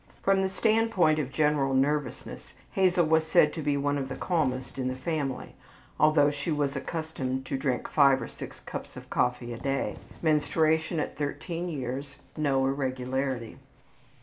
From the standpoint of general nervousness Hazel was said to be one of the calmest in the family, although she was accustomed to drink five or six cups of coffee a day. Menstruation at 13 years, no irregularity.